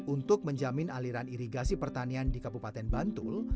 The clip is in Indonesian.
untuk menjamin aliran irigasi pertanian di kabupaten bantul